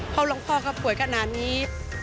เพราะหลวงพ่อเขาป่วยขนาดนี้